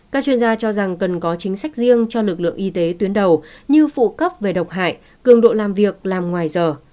các chuyên gia cho rằng cần có chính sách riêng cho lực lượng y tế tuyến đầu như phụ cấp về độc hại cường độ làm việc làm ngoài giờ